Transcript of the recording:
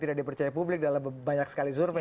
tidak dipercaya publik dalam banyak sekali survei